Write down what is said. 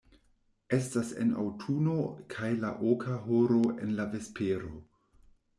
Estas en aŭtuno kaj la oka horo en la vespero.